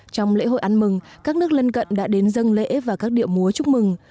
trong lễ hội ăn mừng các nước lân cận đã đến dân lễ và các điệu múa chúc mừng